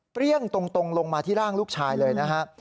เปรี้ยงตรงลงมาที่ร่างลูกชายเลยนะครับ